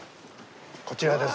こちらです。